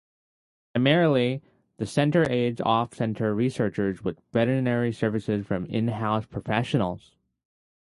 Similarly, the Center aids off-site researchers with veterinary services from in-house professionals.